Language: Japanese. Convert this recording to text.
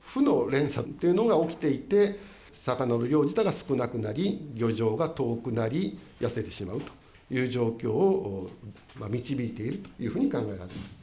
負の連鎖というのが起きていて、魚の量自体が少なくなり、漁場が遠くなり、痩せてしまうという状況を導いているというふうに考えられます。